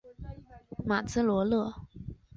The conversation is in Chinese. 马兹罗勒。